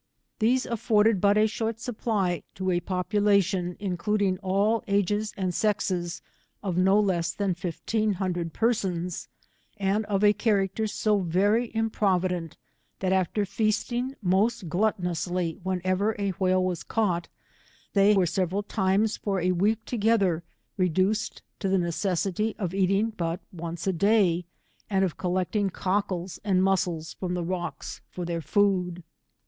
These afforded but a short supply to a population, includ injj all ages and sexes, of no less than fifteen hun dred persons, and of a character so very improvi dent, that after feasting most gluttonously whenever a whale was caught, they were several times for a week together, reduced to the necessity of eating but once a day, and of collecting cockles and mus cles from the rocks for their food.